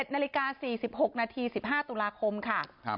๑นาฬิกา๔๖นาที๑๕ตุลาคมค่ะ